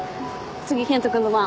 次健人君の番。